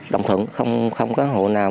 đồng thuận không có hội nào